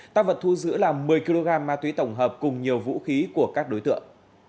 tăng vật thu giữ là một mươi kg ma túy tổng hợp cùng nhiều vũ khí của các đối tượng